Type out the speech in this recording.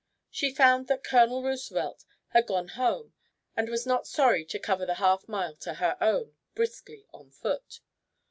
She found that Colonel Roosevelt had gone home and was not sorry to cover the half mile to her own, briskly, on foot.